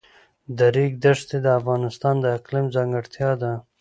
د ریګ دښتې د افغانستان د اقلیم ځانګړتیا ده.